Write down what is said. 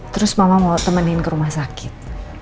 terus mama mau temenin ke rumah sakit